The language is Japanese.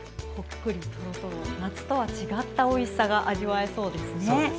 夏とは違ったおいしさが味わえそうですね。